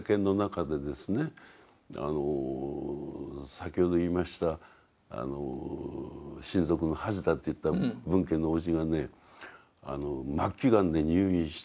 先ほど言いました親族の恥だと言った分家のおじがね末期がんで入院した。